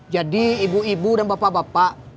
jadi ibu ibu dan bapak bapak